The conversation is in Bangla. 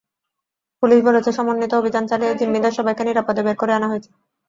পুলিশ বলেছে, সমন্বিত অভিযান চালিয়ে জিম্মিদের সবাইকে নিরাপদে বের করে আনা হয়েছে।